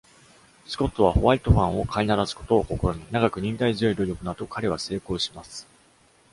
スコットはホワイト・ファンを飼いならすことを試み、長く忍耐強い努力の後、彼は成功します。